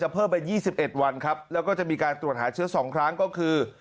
จะเพิ่มไปยี่สิบเอ็ดวันครับแล้วก็จะมีการตรวจหาเชื้อสองครั้งก็คือ